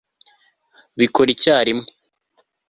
bikore icyarimwe